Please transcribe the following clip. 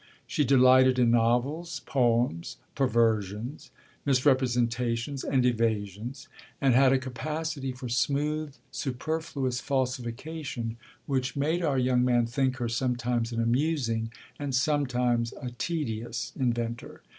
She delighted in novels, poems, perversions, misrepresentations, and evasions, and had a capacity for smooth, superfluous falsification which made our young man think her sometimes an amusing and sometimes a tedious inventor.